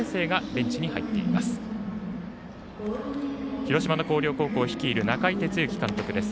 広島の広陵高校を率いる中井哲之監督です。